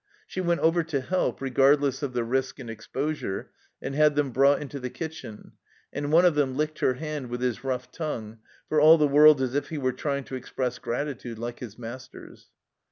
She went over to help, regardless of the risk and exposure, and had them brought into the kitchen, and one of them licked her hand with his rough tongue, for all the world as if he were trying to express gratitude like his masters.